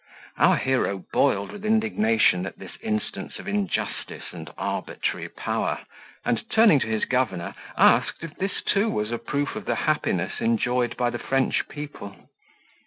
Our hero boiled with indignation at this instance of injustice and arbitrary power; and, turning to his governor, asked, if this too was a proof of the happiness enjoyed by the French people.